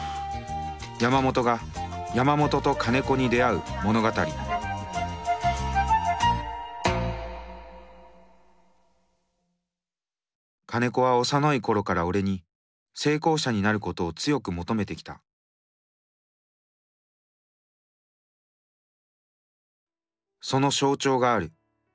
山本が山本と金子に出会う物語金子は幼い頃から俺に成功者になることを強く求めてきたその象徴がある。